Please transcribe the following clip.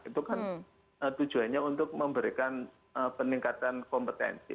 itu kan tujuannya untuk memberikan peningkatan kompetensi